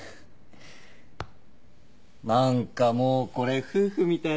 何かもうこれ夫婦みたいじゃない？